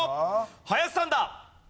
林さんだ！